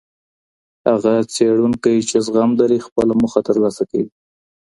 هغه څېړونکی چې زغم لري خپله موخه ترلاسه کوي.